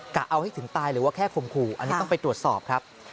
เอาให้ถึงตายหรือว่าแค่ข่มขู่อันนี้ต้องไปตรวจสอบครับ